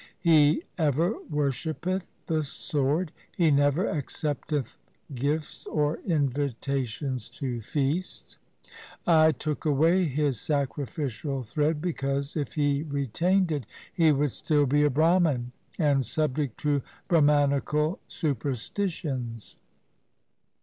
He ever worshippeth the Sword. He never accepteth gifts or invitations to feasts. I took away his sacrificial thread because if he retained it, he would still be a Brahman, and subject to Brahmanical superstitions.'